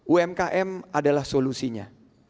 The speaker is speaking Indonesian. umkm adalah solusinya